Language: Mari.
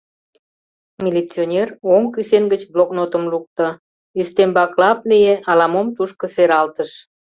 Милиционер оҥ кӱсен гыч блокнотым лукто, ӱстембак лап лие, ала-мом тушко сералтыш.